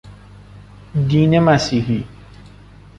دین مسیحی